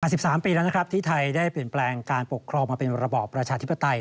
๑๓ปีแล้วนะครับที่ไทยได้เปลี่ยนแปลงการปกครองมาเป็นระบอบประชาธิปไตย